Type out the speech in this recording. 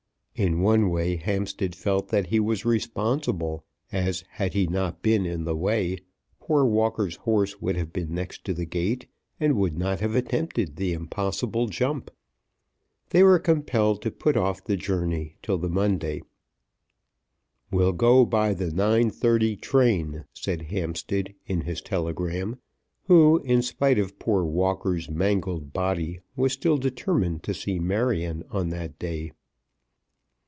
In one way Hampstead felt that he was responsible, as, had he not been in the way, poor Walker's horse would have been next to the gate, and would not have attempted the impossible jump. They were compelled to put off the journey till the Monday. "Will go by the 9.30 train," said Hampstead in his telegram, who, in spite of poor Walker's mangled body, was still determined to see Marion on that day.